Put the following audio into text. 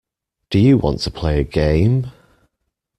Do you want to play a game?